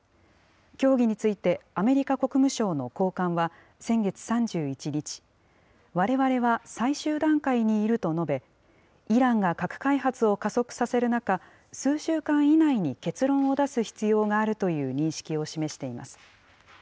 協議についてアメリカ国務省の高官は、先月３１日、われわれは最終段階にいると述べ、イランが核開発を加速させる中、数週間以内に結論を出す必要があるという認識を示しています。